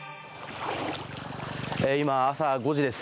今、朝５時です。